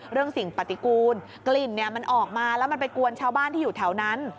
สิ่งปฏิกูลกลิ่นมันออกมาแล้วมันไปกวนชาวบ้านที่อยู่แถวนั้น